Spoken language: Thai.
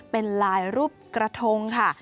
เป็นลายรูปกระทงค่ะ